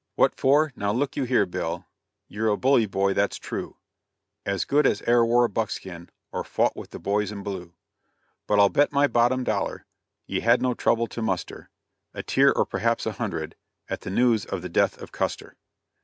What for? Now look you here, Bill, You're a bully boy, that's true; As good as e'er wore buckskin, Or fought with the boys in blue; But I'll bet my bottom dollar Ye had no trouble to muster A tear, or perhaps a hundred, At the news of the death of Custer.